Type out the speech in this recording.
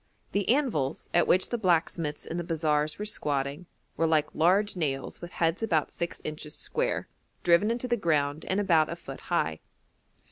The anvils, at which the blacksmiths in the bazaars were squatting, were like large nails with heads about six inches square, driven into the ground and about a foot high.